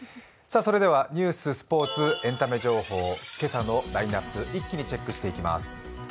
それではニュース、スポ−ツ、エンタメ情報、今朝のラインナップ、一気にチェックしていきます。